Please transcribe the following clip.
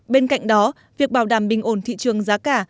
bên cạnh đó việc bảo đảm bình ổn thị trường giá cả